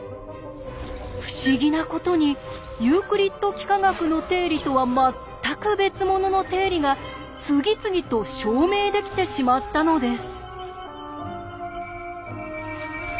不思議なことにユークリッド幾何学の定理とは全く別物の定理が次々と証明できてしまったのです。